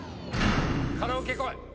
カラオケこい。